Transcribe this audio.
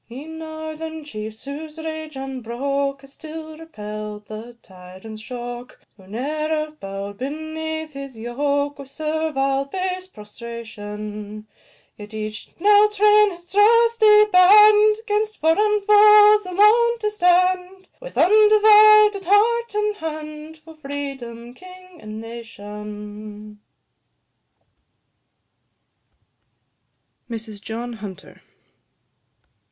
Ye northern chiefs, whose rage unbroke Has still repell'd the tyrant's shock; Who ne'er have bow'd beneath his yoke, With servile base prostration; Let each now train his trusty band, 'Gainst foreign foes alone to stand, With undivided heart and hand, For Freedom, King, and Nation. MRS JOHN HUNTER.